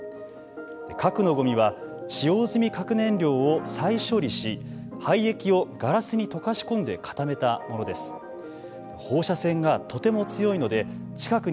核のごみは、使用済み核燃料を再処理し廃液をガラスに溶かし込んで固めたものです。